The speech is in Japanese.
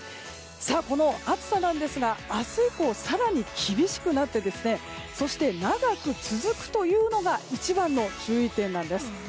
この暑さなんですが明日以降、更に厳しくなってそして、長く続くというのが一番の注意点なんです。